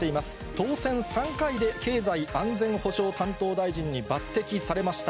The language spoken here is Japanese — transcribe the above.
当選３回で経済安全保障担当大臣に抜てきされました。